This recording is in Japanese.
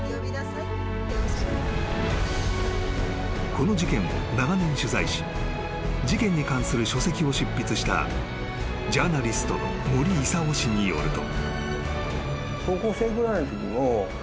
［この事件を長年取材し事件に関する書籍を執筆したジャーナリストの森功氏によると］